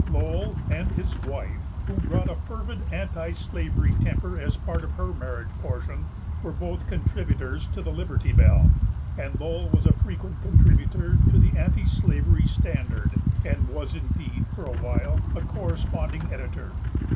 Lowell and his wife, who brought a fervid anti slavery temper as part of her marriage portion, were both contributors to the Liberty Bell; and Lowell was a frequent contributor to the Anti Slavery Standard, and was, indeed, for a while a corresponding editor.